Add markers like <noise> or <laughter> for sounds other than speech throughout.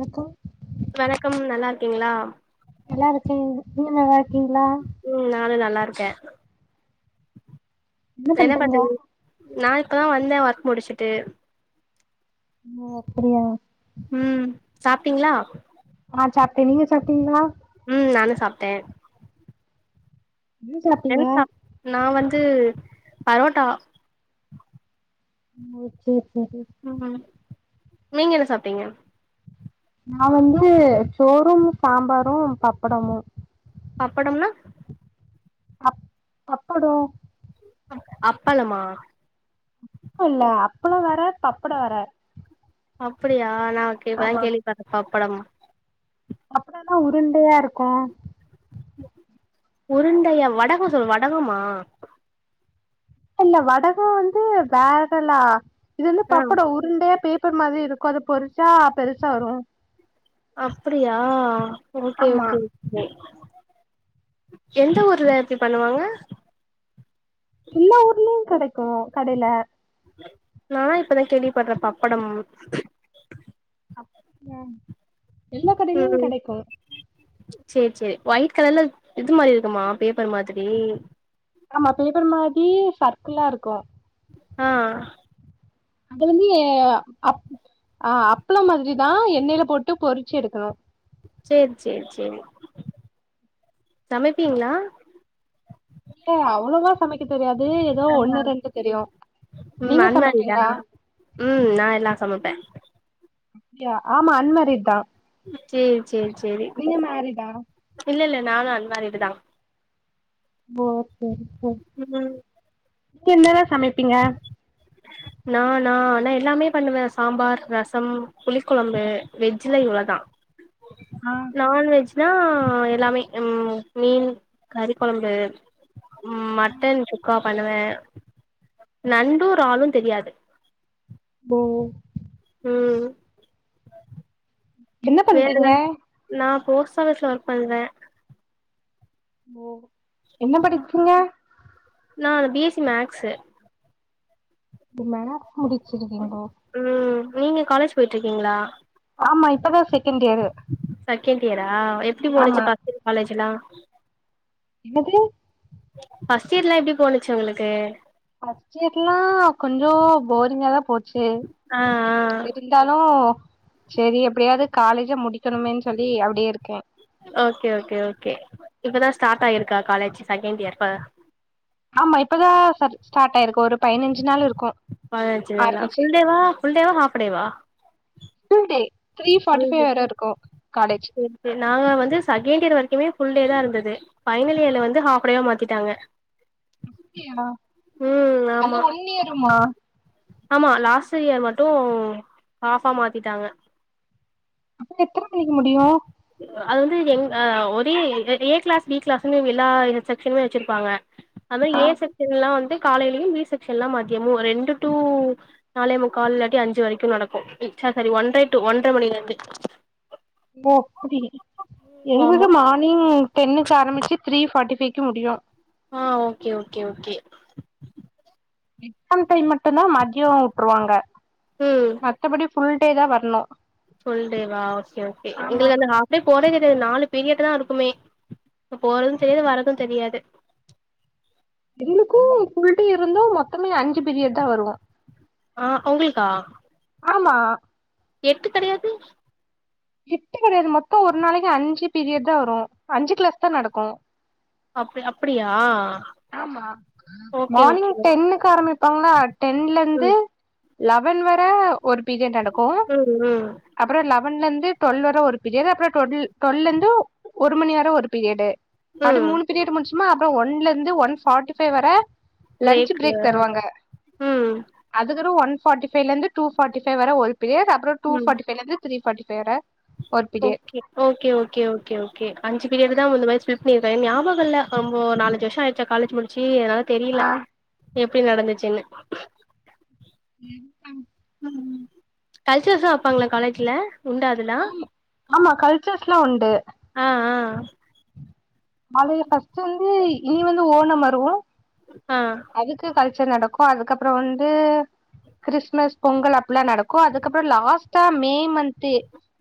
ரக்கம் வணக்கம் நல்லா இருக்கீங்களா நல்லா இருக்கேன் நீங்க நல்லா இருக்கீங்களா ம் நானு நல்லா இருக்கே என்ன பண்றீங் நா இப்பதா வந்த ஒர்க் முடிச்சுட்டு ஒ அப்டியா ம் சாப்ட்டிங்களா ஆ சாப்ட்ட நீங்க சாப்ட்டீங்களா ம் நானு சாப்ட்ட என்ன சாப் நா வந்து பரோட்டா ஓகே சரி ம் நீங்க என்ன சாப்டிங்க நா வந்து சோறும் சாம்பாரு பப்படமு அப்படம்னா அப் அப்படோ அப்பளமா இல்ல அப்பளோ வேற பப்படோ வேற அப்டியா நா இப்பதா ஆமா கேள்விபட்ற பப்படம் பப்படம்னா உருண்டையா இருக்கு உருண்டையா வடகம் சொல் வடகமா இல்ல வடகோ வந்து வேறலா இது வந்து ஆ பப்படம் உருண்டையா பேப்பர் மாதிரி இருக் கொஞ்ச பொரிச்சா பெருசா வரு அப்டியா ஓகே ஆமா ஓகே எந்த ஊர்ல இப்டி பண்ணுவாங்க எல்லா ஊர்லயு கடைக்கு கடைல நா இப்பதா கேள்விப்பட்ற பப்படம் ம் எல்லா கடையிலயு கெடைக்கு சரி சரி ஒயிட் கலர்ல இது மாரி இருக்குமா பேப்பர் மாதிரி ஆமா பேப்பர் மாரி சர்க்கில்லா இருக்கு ஆ அது வந்து அப் ஆ அப்பளம் மாதிரிதா எண்ணெயில போட்டு பொறிச்சு எடுக்கணு சரி சரி சரி சமைப்பீங்களா இல்ல அவ்ளோவா சமைக்க தெரியாது எதோ ஆ ஒண்ணு ரெண்டு தெரியு ம் நீங்க அன்மேரிடா சமைப்பீங்களா ம் நா எல்லா சமைப்ப ஆமா அன்மேரிட் தா சரி சரி சரி நீங்க மேரிடா இல்ல இல்ல நானு அன்மேரிட் தா <unintelligible> ம் நீங்க என்னலா சமைப்பீங்க நான் நான் ஆனா எல்லாமே பண்ணுவேன் சாம்பார் ரசம் புளி குழம்பு வெஜ்ஜ்ல இவ்ளோதா ஆ நான்வெஜ் னா எல்லாமே ம் மீன் கறி குழம்பு ம் மட்டன் சுக்கா பண்ணுவே நண்டு இறாலு தெரியாது போ ம் என்ன வேற பண்றீங்க என்ன நா போஸ்ட் ஆஃபிஸ்ல ஒர்க் பண்றே ஓ என்ன படிக்குற நான் பி எஸ் சி மேக்ஸு இப்ப மேக்ஸ் முடிச்சிருக்கீங்களோ ம் நீங்க காலேஜ் போயட்டு இருக்கீங்களா ஆமா இப்பதா செகண்ட் இயரு செகண்ட் இயரா எப்டி ஆமா போனச்சு ஃபிரஸ்ட் இயர் காலேஜ்லா என்னது ஃபிரஸ்ட் இயர்லா எப்டி போனச்சு உங்ளுக்கு ஃபிரஸ்ட் இயர்லா கொஞ்சோ போரிங்காதா போச்சு ஆ ஆ செரி இருந்தாலு செரி எப்டியாவது காலேஜா முடிக்கணுமேன்னு சொல்லி அப்டியே இருக்கேன் ஓகே ஓகே ஓகே இப்பதா ஸ்டார்ட் ஆயிருக்கா காலேஜ் செகண்ட் இயர் ஆமா இப்பதா செரி ஸ்டார்ட் ஆயிருக்கு ஒரு பதினஞ்சு நாள் இருக்கும் பதினஞ்சு நாளா ஃபுல் டே வா ஃபுல் டே வா ஹாஃப் டே வா full day three full forty day five வர இருக்கு காலேஜ் செரி செரி நாங்க வந்து செகண்ட் இயர் வரைக்குமே ஃபுல் டே தா இருந்தது ஃபைனல் இயர்ல வந்து ஹாஃப் டே வா மாத்திட்டாங்க அப்டியா ம் அந்த ஆமா ஒன் இயருமா ஆமா லாஸ்ட் இயர் மட்டும் ஹாஃபா மாத்திட்டாங்க அப்ப எத்தன மணிக்கு முடியு அது வந்து எங் ஆ ஒரே ஏ கிளாஸ் பி கிளாஸ் எல்லா செக்ஷன்மே வச்சிருப்பாங்க அதுமாரி ஆ ஏ செக்ஷன் எல்லாம் வந்து காலையிலயும்பி செக்ஷன் எல்லா மத்தமும் ரெண்டு டூ நாலைமுக்கால் இல்லாட்டி அஞ்சு வரைக்கும் நடக்கும் சாரி சாரி ஒன்றரை டூ ஒன்றரை மணில இருந்து ஓ அப்டி ஆமா எங்குளுது மார்னிங் டென்னுக்கு ஆரபிச்சு த்ரீ ஃப்ட்டி ஃபைக்கு முடியு ஆ okay okay okay same time மட்டும்தா மதியம் உட்டுருவாங்க ம் மத்தபடி ஃபுல் டே தா வரணு ஃபுல் டே வா ஓகே ஓகே ஆமா எங்களுக்கு அந்த ஹாஃப் எப்டி போறே தெரியாது நாலு பீரியட் தான் இருக்குமே எப்ப போகறதும் தெரியாது வர்றதும் தெரியாது எங்ளுக்கு ஃபுல் டே இருந்தும் மொத்தமே அஞ்சு பிரியட் தா வருவோம் ஆ உங்களுக்கா ஆமா எட்டு கெடையாது எட்டு கெடையாது மொத்தம் ஒரு நாளைக்கு அஞ்சு பீரியட் தான் வரு அஞ்சு கிளாஸ் தான் நடக்கும் அப்டி அப்டியா ஆமா ஓகே ஓகே மார்னிங் டென்க்கு ஆரம்பிப்பாங்கள டென்ல இருந்து ம் லெவன் வர ஒரு பீரியட் நடக்கு ம் ம் அப்புறோ லெவன்ல இருந்து டுவெல் வர ஒரு பீரியட் அப்புறோ டுவெல் டுவெல்ல இருந்து ஒரு மணி வரையு ஒரு பீரியடு அது ம் மூணு பிரியட் முஞ்சிசுனா அப்றொ ஒன்ல இருந்து ஒன் ஃபாட்டி ஃபைவ் வர லன்ச்சு பிரேக்கு பிரேக் ஆ தருவாங்க ம் அதுக்குதா ஒன் ஃபாட்டி ஃபைலேருந்து டூ ஃபாட்டி ஃபைவ் வர ஒரு பிரியர்ட் அப்றொ டூ ம் பாஃட்டி ஃபைலேந்து த்ரீ ஃபாட்டி ஃபைவ் வர ஒரு period okay okay okay okay okay அஞ்சு பீரியட் தா முன்ன மாறி ஸ்ப்லிட் பண்ணிட்டாங்க ஞாபகோ இல்ல ஆமா நாலு அஞ்சு வருஷோ ஆயிச்சா காலேஜ் மு சி அனால தெரியல ஆ எப்டி நடந்துச்சுன்னு ம் ம் கல்ச்சர்ஸுலா வப்பாங்ளா காலேஜ்ல உண்டா அதுல்லா ஆமா ஆமா கல்ச்சுரல்ஸ்ல்லா உண்டு அ அ மழய ஃபஸ்ட்டு வந்து இனி வந்து ஓனம் வரு ஆ அதுக்கு கல்ச்சர் நடக்கு அதுக்கப்றொ வந்து கிறிஸ்மஸ் பொங்கல் அப்டிலா நடக்கு அதுக்கப்றொ லாஸ்ட்டா மே மன்து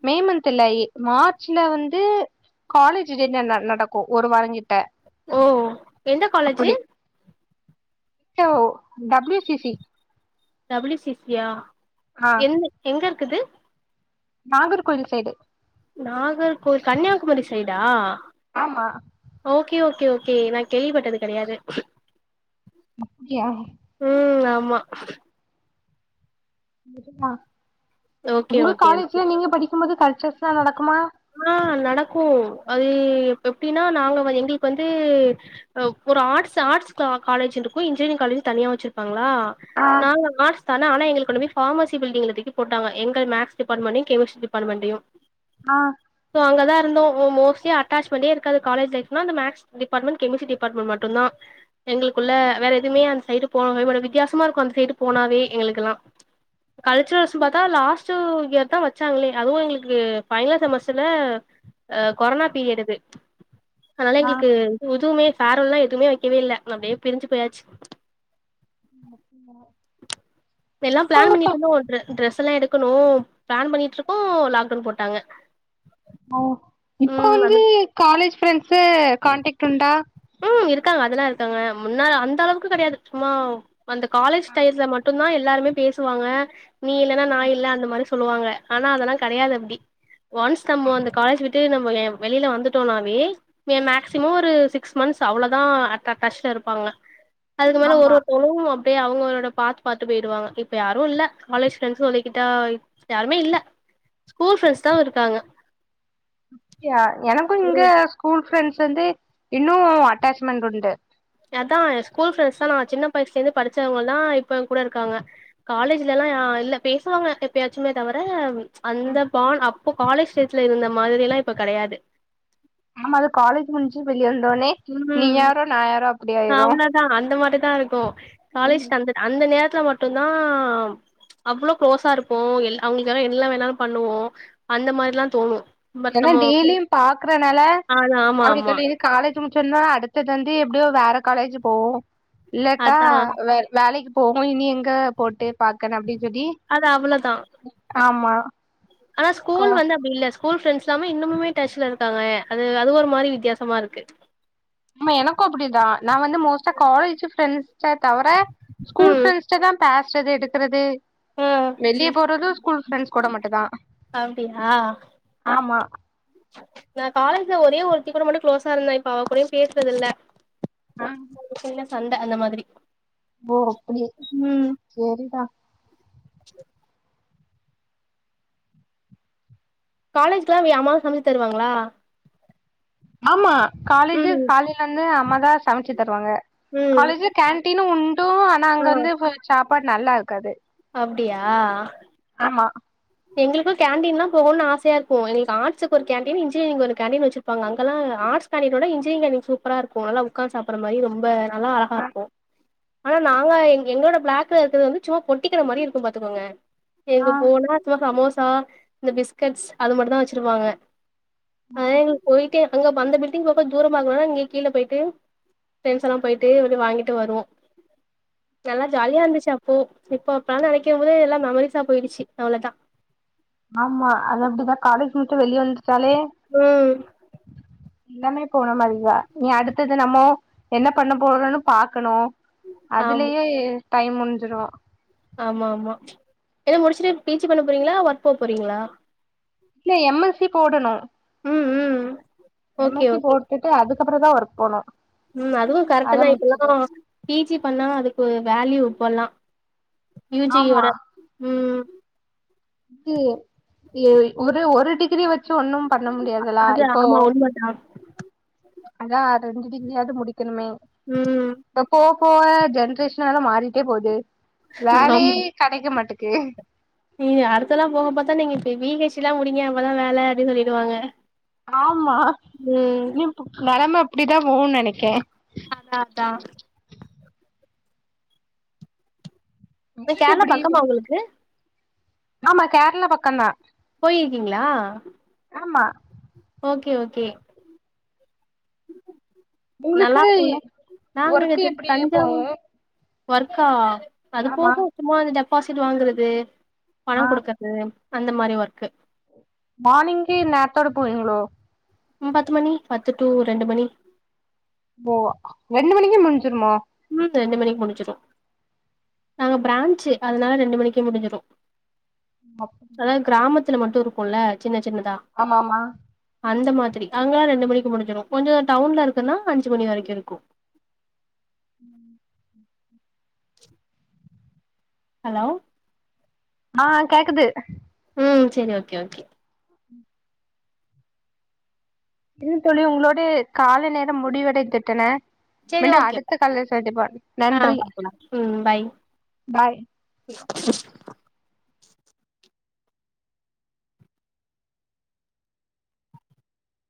மே மன்து இல்ல மார்ச்ல வந்து காலேஜ் டேட்ல ந நடக்கு ஒரு வாரங்கிட்ட ஓ எந்த college so W C C W C C yeah ஆ எந் எங்கருக்குது நாகர்கோயில் சைடு நாகர்கோவில் கன்னியாகுமரி சைடா ஆமா ஓகே ஓகே ஓகே நா கேள்விப்பட்டது கெடயாது அப்டியா ம் ஆமா ஓகே உங்க ஓகே ஓகே காலேஜ்ல நீங்க படிக்கு போது கல்ச்சுரல்ஸ்ல்லா நடக்குமா ஆ நடக்கு அது எப்டின்னா நாங்க வ எங்ளுக்கு வந்து ஒரு ஆட்ர்ஸ் ஆர்ட்ஸ் கா காலேஜ் இருக்கு இன்ஜினியரிங் காலேஜ் தனியா வச்சிருப்பாங்ளா ஆ நாங்க ஆர்ட்ஸ் தானா ஆனா எங்கள கொண்டு போய் பார்மசி பில்டிங்ல தூக்கி போட்டங்க எங்க மேக்ஸ் டிபார்டமெண்டயு கெமிஸ்டரி டிபார்ட்மெண்ட்டயு ஆ சோ அங்கதா இருந்தோ மோஸ்டி அட்டச்மெண்டெ இருக்காது காலேஜ் லைப்னா அந்த மேக்ஸ் டிபாட்மண்ட் கெமிஸ்ட்ரி டிபாட்மென்ட் மட்டுந்தா எங்ளுக்குள்ள வேற எதுவுமே அந்த சைடு போகவெ மாட்டோ ஒரு வித்தியாசமாருக்கு அந்த சைடு போனாவே எங்ளுக்குல்லா கல்ச்சுரல்ஸ்னு பாத்தா லாஸ்ட்டு இயர் தா வச்சாங்களே அதுவு எங்ளுக் கு பைனல் செமஸ்டர்ல அ கொரோனா பீரியட் அது அதனால ஆ எங்ளுக் எதுவுமே ஃபேரவல்லா எதுமே வைக்கவே இல்ல அப்டியே பிரிஞ்சு போயாச்சு ம் எல்லா பிளான் பண்ணிட்டு இருந்தொ ஓல்டுறு டிரெஸ்ஸெல்லா எடுக்கணு பிளான் பண்ணிட்ருக்கோ லாக்டவுன் போட்டாங்க ஓ இப்ப ம் வந்து அது காலேஜ் ப்ரெண்ட்ஸ்ஸு கான்டக்ட் உண்டா ம் இருக்காங்க அதெல்லா இருக்காங்க முன்னால அந்த அளவுக்கு கெடயாது சும்மா அந்த காலேஜ் டைல்ல மட்டுதா எல்லாருமெ பேஸ் சுவாங்க நீ இல்லன்னா நா இல்ல அந்த மாரி சொல்லுவாங்க ஆனா அதெல்லா கெடயாது அப்டி ஒன்ஸ் நம்ம அந்த காலேஜ் விட்டு நம்ம வெளில வந்துட்டோனாவே மேக்சிமொ ஒரு சிக் சிக்ஸ் மன்ஸ் அவ்ளோதா அட்டக்டஸ்ல இருப்பாங்க அதுக்கு மேல ஒரு ஆமா ஒருத்தறு அப்டியே அவ்ங்களோட பாத் பாத் போயிடுவாங்க இப்ப யாரு இல்ல காலேஜ் ஃப்ரெண்ட்ஸு லிகிட்டாய் யாருமே இல்ல ஸ்கூல் ஃப்ரெண்ட்ஸ் தா இருக்காங்க அப்படியா எனக்கு இங்க ம் ஸ்கூல் ஃப்ரெண்ட்ஸ் வந்து இன்னு அட்டாச்மெண்ட் உண்டு அதா எ ஸ்கூல் ஃப்ரெண்ட்ஸ் தா நா சின்ன வயசுலே இருந்து படிச்சவங்க தா இப்ப கூடற்க்காங்க காலேஜ்ல எல்லா இல்ல பேசுவாங்க எப்பயாச்சுமே தவிர அந்த பான் அப்போ காலேஜ் டேஸ்ல இருந்த மாதிரி ல்லா இப்ப கிடயாது ஆமா அது காலேஜ் முடிஞ்சு வெளிய வந்தோனே நீ யாரோ நா யாரோ அப் அவ்வளதா அந்த மாரிதா இருக்கு காலேஜ் அந்த அந்த நேரத்துல மட்டுந்தா அவ்ளோ க்ளோஸா இருப்போ அவ்ங்களுக்குக்கெலா என்ல்லா வேணாலு பண்ணுவோ அந்த மாரி ல்லா தோணு பட் ஏன்னா நம்மோ டெய்லியு பாக்குறனால அது ஆமா, அப்புடி ஆமா. சொல்லிறு காலேஜ் முடிச்சன்னா அடுத்ததுவந்து எப்புடியோ வேற காலேஜி போவோ இல்லாட்டா அதான். வேர் வேலைக்கி போகு இனி எங்க போட்டு பாக்கணு அப்டினு சொல்லி அது அவளோதா ஆமா ஆனா கா ஸ்கூல் வந்த அப்டி இல்ல ஸ் ஸ்கூல் ஃப்ரெண்ட்ஸ் ல்லாமே இன்னுமுமே டச்ல இருக்காங்க அது அது ஒரு மாரி வித்தியாசமா இருக்கு ஆமா எனக்கு அப்புடிதா நா வந்து மோஸ்ட்டா காலேஜ் ப்ரெண்ட்ஸ் ச தவர ஸ்கூல் ம். ஃப்ரெண்ட்ஸ்ட்ட தா பேசுறது எடுக்கறது ஆ. வெளிய போறது ஸ்கூல் ப்றண்ட்ஸ் கூட மட்டு தா அப்டியா? ஆமா நா காலேஜ்ல ஒரே ஒருத்தி கூட மட்டு குளோஸா இருந்தே இப்ப அவ கூடையு பேசுறதில்ல சின்ன சண்ட அந்த மாதிரி ஓ அப்புடி ம் செரி தா காலேஜுக்ல்லா வி அம்மா செமச்சு தருவாங்களா ஆமா காலேஜு ம். காலையில இருந்து அம்மா தா சமச்சு தருவாங்க ம். காலேஜு கேன்டீனு உண்டு ஆனா ஆ. அங்க வந்து சாப்பாடு நல்லா இருக்காது அப்டியா ஆமா எங்களுக்கு கேன்டீன் லா போகனு ஆசயா இருக்கு எங்களுக்கு ஆட்ஸுகு ஒரு கேன்டீன் இன்ஜினியரிங்கு ஒரு கேண்டீன் வச்சு ப்பாங்க அங்கெல்லா ஆட்ஸ்கேன்டீனோட இன்ஞ்னியரிங் கேண்டின் சூப்பரா இருக்கு நல்லா உக்காந்து சாப்பற மாரி ரொம்ப நல்லா அழகா ஆ இருக்கு ஆனா நாங்க எ எங்களோட பிளாக் கலரு ருகிறது வந்து சும்மா பொட்டிக்கட மாரி இருக்கு பாத்துக்கோங்க எங்க ஆ போனா சும்மா சமோசா இந்த பிஸ்கட்ஸ் அது மட்டு தா வச்சிருப்பாங்க அதே எங்களுக்கு போய்ட்டே அங்க அந்த பில்டிங் பக்கோ தூரமா இருக்குனால இங்க கீழ போயிட்டு ப்ரண்ட்ஸ் எல்லா போயிட்டு இவடு வாங்கிட்டு வருவோ நல்லா ஜாலியா இருந்துச்சு அப்போ இப்போ அப்பா நெனைக்கும் போது எல்லா மெமரிஸா போயிடுசு அவ்ளதா ஆமா அது அப்டிதா காலேஜு முட்ச்சு வெளியே வந்துட்டாலே ம் எல்லாமே போன மாதிரவா நீ அடுத்தது நம்மோ என்ன பண்ண போறோன்னனு பாக்கணு ஆம் அதுலயே டைம் முட்ஞ்சிரு ஆமா ஆமா, என்ன முடிச்சுட்டு பீ ஜி பண்ண போறீங்களா வொர்க் போ போறீங்களா இ எம் எஸ் சி போடணு ம், ம் M okay S C okay போட்டுட்டு அதுக்கு அப்றோந்தா ஒர்க் போனு ம் அதுவு அத கரெக்ட்தா இப்பல்லா முடிச்சுட்டு பீ ஜி பண்ணா அதுக்கு வேல்யூ இப்பல்லா யூ ஆமா ஜியோட, ம் இது எ ஒரு ஒரு டிகிரி வச்சு ஒன்னும் பண்ண முடியாாதல்லா இப்போ உண்மைதா அதா ரெண்டு டிகிரியாவது முடிக்கணுமே ம் இப்ப போவ போவ ஜென்ரேஷன்ல்லா மாறிட்டே போது வேலையே கெடைக்க மாட்டுக்கு நீ அடுத்தெல்லா போகப்பாத்தா நீங்க பி ஹைச் டி எல்லா முடிங்க அப்பதா வேல அப்டி சொல்லிடுவாங்க ஆமா ம் இப் நெலம அப்டிதா போவு நெனைக்கே அதா அதா இந்த உங்ளுக்கு கேரளா எப்படி, பக்கமா உங்களுக்கு ஆமா கேரளா பக்கந்தா போயிருக்கீங்ளா ஆமா ஓகே ஓகே நல்லா உங்களுக்கு இருக்குல்ல நாங்க ஒர்க்கு திரு எப்டி போவு தஞ்சாவூர் ஒர்க்கா அது ஆமா போகு சும்மா அந்த டெபாசிட் வாங்கறது ஆ பணம் குடுக்க து அந்த மாரி ஒர்க்கு மார்னிங்கு நேர்த்தோட போவீங்ளோ ம் பத்து மணி பத்து டு ரெண்டு மணி ஓ ரெண்டு மணிக்கே முடிஞ்சிருமா ம் ரெண்டு மணிக்கு முடிஞ்சிரு நாங்க பிராஞ்சு அதனால ரெண்டு மணிக்கு முடிஞ்சிரு அதா கிராமத்துல மட்டு இருக்குல்ல சின்ன சின்னதா ஆமா ஆமா அந்த மாதிரி அங்கல்லா ரெண்டு மணிக்கு முடிஞ்சிடு கொஞ்சோ டவுன்ல இருக்குன்னா அஞ்சு மணி வரைக்கு இருக்கு ம் ஹலோ ஆ கேக்குது ம் சேரி ஓகே ஓகே என்ன தோழி உங்களோடு காலை நேரம் முடிவடைந்திட்டன செரி மீண்டும் ஓகே அடுத்த கால்ல சந்திப்போ ஆ நன்றி பாக்கலா ம் பாய் பாய்